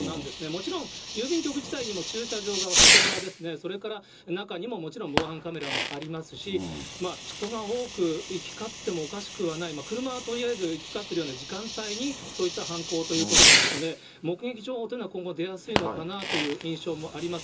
もちろん郵便局自体にも駐車場が外側ですね、それから中にももちろん防犯カメラもありますし、人が多く行き交って、おかしくはない、車はとりあえず行き交ってるような時間帯に、そういった犯行ということですので、目撃情報というのは今後出やすいのかなという印象もあります。